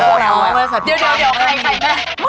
เดี๋ยวถ่ายไอ้แม่